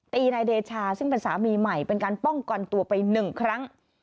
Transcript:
นายเดชาซึ่งเป็นสามีใหม่เป็นการป้องกันตัวไปหนึ่งครั้ง